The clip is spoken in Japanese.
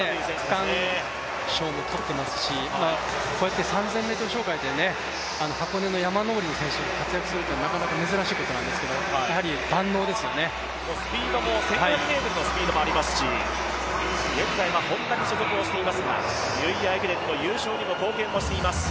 区間賞も取っていますし、こうやって３０００ｍ障害で、箱根の山登りの選手が活躍するということは珍しいことですけど１５００ｍのスピードもありますし、現在はＨｏｎｄａに所属していますがニューイヤー駅伝の優勝にも貢献しています。